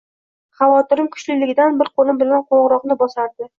Xavotirim kuchliligidan bir qoʻlim bilan qoʻngʻiroqni bosardi